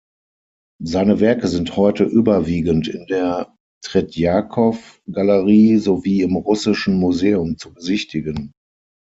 Seine Werke sind heute überwiegend in der Tretjakow-Galerie sowie im Russischen Museum zu besichtigen.